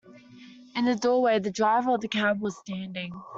In the doorway the driver of the cab was standing.